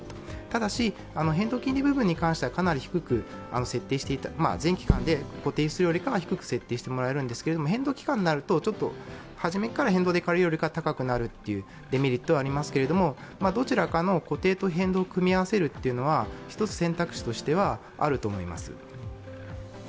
ただし、変動金利部分に関しては全期間固定にするよりかは低く設定してもらえるんですけど、変動期間になると初めから変動で借りるよりかは高くなるというデメリットはありますが、どちらかの固定と変動を組み合わせるというのは一つ選択肢としてはあると思います。